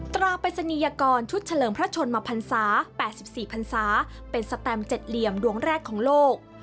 ตราปริศนียกรชุดเฉลิมพระชนมพันศา๘๔พันศาเป็นสแตม๗เหลี่ยมดวงแรกของโลก